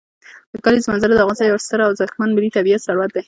د کلیزو منظره د افغانستان یو ډېر ستر او ارزښتمن ملي طبعي ثروت دی.